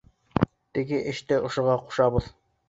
Теге эште ошоға ҡушабыҙ!